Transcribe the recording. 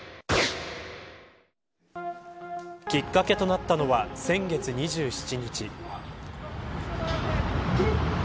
きっかけとなったのは先月２７日。